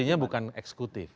artinya bukan eksekutif